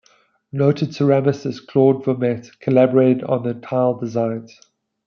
Noted ceramicist Claude Vermette collaborated on the tile designs.